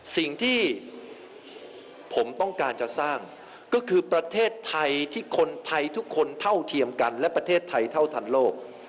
สิ่งที่ผมต้องการจะสร้างก็คือประเทศไทยที่คนไทยทุกคนเท่าเทียมกันและประเทศไทยเท่าทันโลก